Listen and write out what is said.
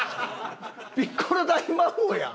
ピッコロ大魔王やん。